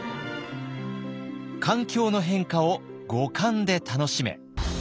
「環境の変化を五感で楽しめ！」。